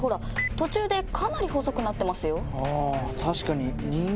途中でかなり細くなってますよ。